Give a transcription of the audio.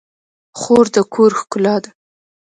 خور د کور ښکلا ده.